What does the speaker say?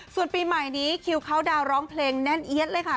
ส่วนปีใหม่นี้คิวเขาดาวน์ร้องเพลงแน่นเอี๊ยดเลยค่ะ